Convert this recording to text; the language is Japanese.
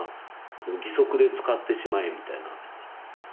義足で使ってしまえみたいな。